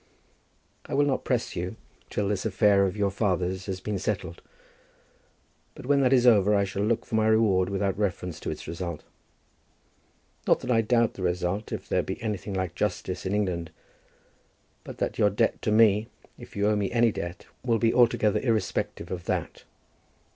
I will not press you till this affair of your father's has been settled; but when that is over I shall look for my reward without reference to its result. Not that I doubt the result if there be anything like justice in England; but that your debt to me, if you owe me any debt, will be altogether irrespective of that.